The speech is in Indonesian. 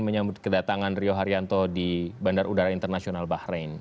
menyambut kedatangan rio haryanto di bandar udara internasional bahrain